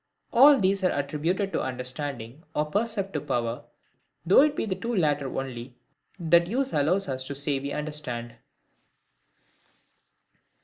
All these are attributed to the understanding, or perceptive power, though it be the two latter only that use allows us to say we understand.